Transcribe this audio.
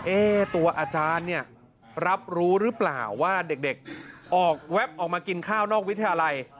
ตัวอาจารย์เนี่ยรับรู้หรือเปล่าว่าเด็กออกแวบออกมากินข้าวนอกวิทยาลัย